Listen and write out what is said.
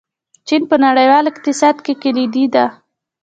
چین په نړیوال اقتصاد کې کلیدي دی.